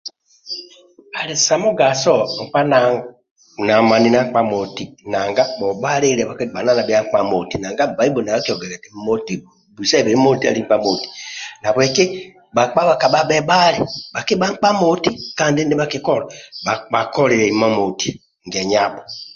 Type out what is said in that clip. Ali sa mugaso nkpa na amani na nkpa moti nanga bhobhalili bhakigbanana bhia nkpa moti nanga Bbaibuli nau akigia eti moti kobisabe moti ali nkpa moti nahabweki bhakpa bhakabha bhebhali bhakibha nkpa moti kandi ndia bhakikola bhakolilie imamoti ngenyaiabho